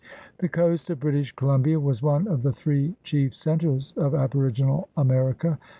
The coast of British Columbia was one of the three chief centers of aboriginal America.